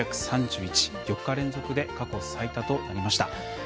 ４日連続で過去最多となりました。